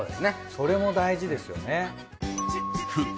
それも大事ですよね。